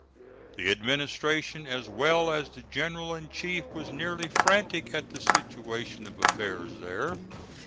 The administration as well as the General in chief was nearly frantic at the situation of affairs there.